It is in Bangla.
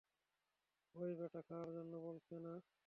ওই ব্যাটা খাওয়ার জন্য বলছে না!